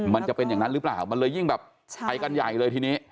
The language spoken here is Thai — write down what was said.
มันจะเป็นอย่างนั้นหรือเปล่ามันเลยยิ่งแบบไปกันใหญ่เลยทีนี้